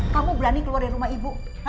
kamu berani keluar dari rumah ibu